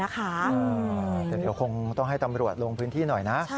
เดี๋ยวคงต้องให้ตำรวจลงพื้นที่หน่อยนะ